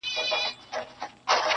کورنۍ پټ عمل کوي د شرم,